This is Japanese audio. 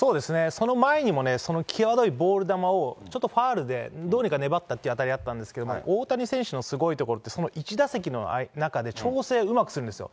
その前にもね、その際どいボール球をちょっとファウルでどうにか粘ったっていう当たりあったんですけど、大谷選手のすごいところって、その１打席の中で、調整をうまくするんですよ。